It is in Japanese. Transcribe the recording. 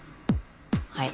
はい。